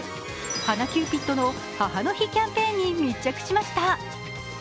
花キューピットの母の日キャンペーンに密着しました。